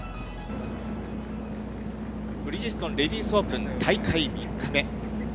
ブリヂストンレディスオープン大会３日目。